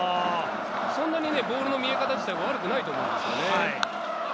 そんなにボールの見え方自体は悪くないと思うんですよ。